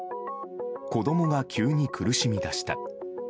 子供が急に苦しみだした。